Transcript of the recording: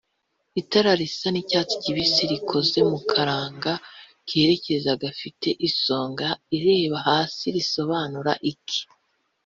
itara risa nicyatsi kibisi rikoze mu akaranga cyerekeza gafite isonga ireba hasi risobanura iki